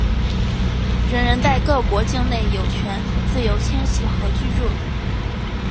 人人在各国境内有权自由迁徙和居住。